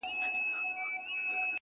د غار خوله کي تاوېدله ګرځېدله.